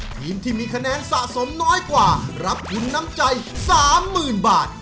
ทีมที่มีคะแนนสะสมน้อยกว่ารับคุณน้ำใจสามหมื่นบาท